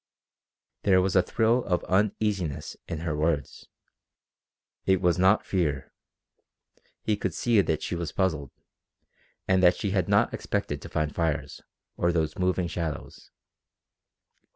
There was a thrill of uneasiness in her words. It was not fear. He could see that she was puzzled, and that she had not expected to find fires or those moving shadows.